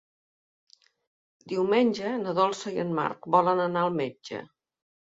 Diumenge na Dolça i en Marc volen anar al metge.